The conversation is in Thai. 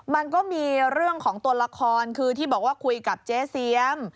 มันก็มีเรื่องของตัวละครคือที่บอกว่าคุยกับเจ๊เสียม